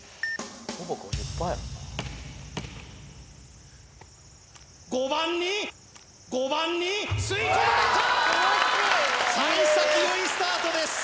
ほぼ５０パーやもんな５番に５番に吸い込まれた幸先よいスタートです